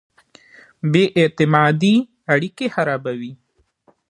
بې اعتمادۍ اړیکې خرابوي.